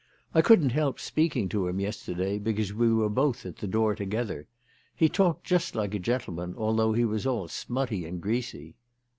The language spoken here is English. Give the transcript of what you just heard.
" I couldn't help speaking to him yesterday because we were both at the door together. He talked just like a gentleman although he was all smutty and greasy."